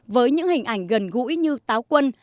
với những hình ảnh gần gũi như táo quân